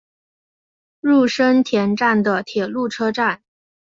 入生田站的铁路车站。